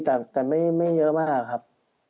แต่ไม่เยอะมากครับ